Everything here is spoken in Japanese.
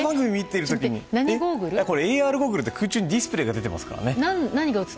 ＡＲゴーグルといって空中にディスプレーが出てますからね。